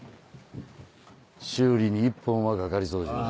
修理に１本はかかりそうじゃ。